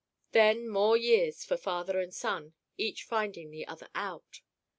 Then more years for father and son, each finding the other out.